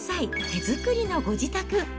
手作りのご自宅。